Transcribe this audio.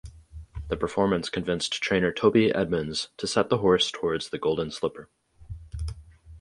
The performance convinced trainer Toby Edmonds to set the horse towards the Golden Slipper.